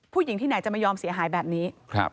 ที่ไหนจะไม่ยอมเสียหายแบบนี้